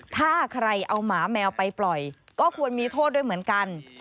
ถ้าใครเอาหมาแมวไปปล่อยก็ควรมีโทษด้วยเหมือนกัน